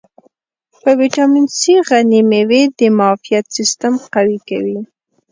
په ویټامین C غني مېوې د معافیت سیستم قوي کوي.